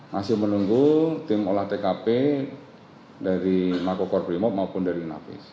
masih menunggu tim olah tkp dari mako corp imob maupun dari napis